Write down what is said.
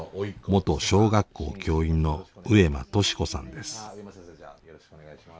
元小学校教員の上間敏子さんです。